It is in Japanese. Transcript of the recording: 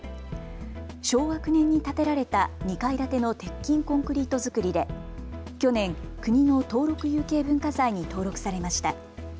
昭和９年に建てられた２階建ての鉄筋コンクリート造りで去年、国の登録有形文化財に登録されました。